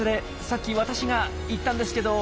さっき私が言ったんですけど。